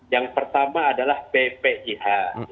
yang pertama adalah bpkh